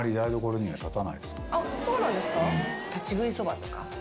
そうなんですか。